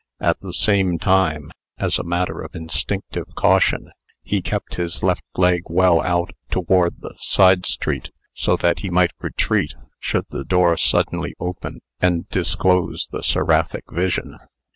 At the same time, as a matter of instinctive caution, he kept his left leg well out toward the side street, so that he might retreat, should the door suddenly open and disclose the seraphic vision.